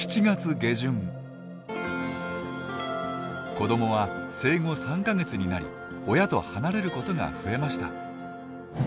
子どもは生後３か月になり親と離れることが増えました。